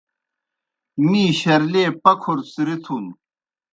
می شرلیئے پکُھر څِرِتُھن۔